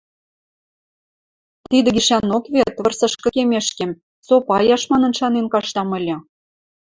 Тидӹ гишӓнок вет, вырсышкы кемешкем, со паяш манын шанен каштам ыльы.